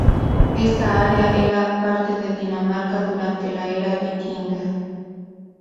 Esta área era parte de Dinamarca durante la Era vikinga.